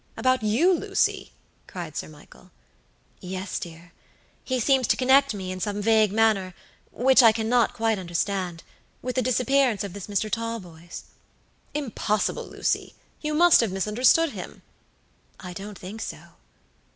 "About you, Lucy!" cried Sir Michael. "Yes, dear. He seems to connect me in some vague mannerwhich I cannot quite understandwith the disappearance of this Mr. Talboys." "Impossible, Lucy! You must have misunderstood him." "I don't think so."